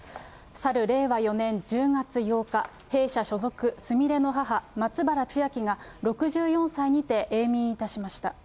去る令和４年１０月８日、弊社所属すみれの母、松原千明が、６４歳にて永眠いたしました。